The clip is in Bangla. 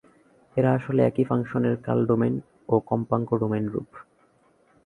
এরা আসলে একই ফাংশনের কাল-ডোমেইন ও কম্পাঙ্ক-ডোমেইন রূপ।